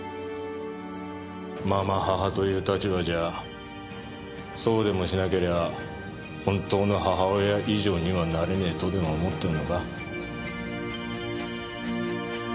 継母という立場じゃそうでもしなけりゃ本当の母親以上にはなれねえとでも思ってんのか？